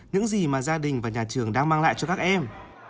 những gì mà gia đình và nhà trường đang mang lại cho các em